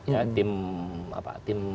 ya tim apa tim